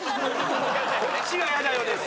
こっちが「ヤダよ」です。